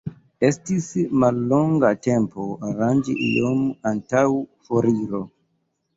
Estis mallonga tempo aranĝi ion antaŭ foriro.